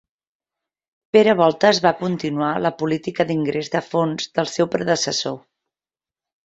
Pere Voltes va continuar la política d'ingrés de fons del seu predecessor.